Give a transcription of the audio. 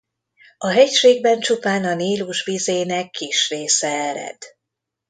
A hegységben csupán a Nílus vizének kis része ered.